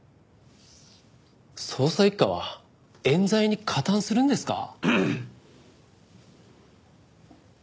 捜査一課は冤罪に加担するんですか？